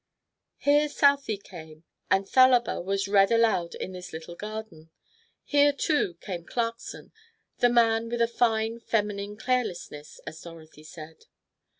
Here Southey came, and "Thalaber" was read aloud in this little garden. Here, too, came Clarkson, the man with a fine feminine carelessness, as Dorothy said.